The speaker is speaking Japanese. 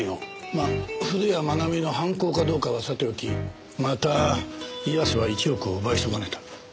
まあ古谷愛美の犯行かどうかはさておきまた岩瀬は１億を奪い損ねた。